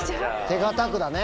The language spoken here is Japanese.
手堅くだね。